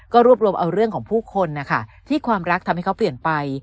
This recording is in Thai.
ก็รวบรวมเอาเรื่องของผู้คนนะคะที่ความรักทำให้เขาเปลี่ยนไป